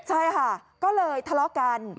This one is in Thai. ใช่ค่ะก็เลยทะเลาะกัน